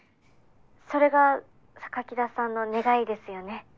それが田さんの願いですよね？